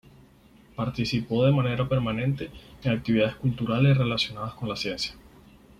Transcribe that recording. Participó de manera permanente en actividades culturales relacionadas con la ciencia.